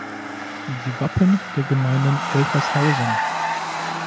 Die Wappen der Gemeinden Elfershausen.